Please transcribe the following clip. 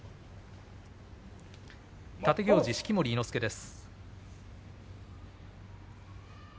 立行司、式守伊之助です。